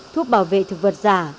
thuốc bảo vệ thực vật giả